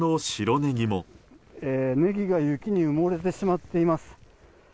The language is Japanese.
ネギが雪に埋もれてしまっています。